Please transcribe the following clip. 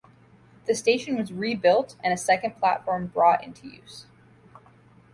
The station was rebuilt and a second platform brought into use.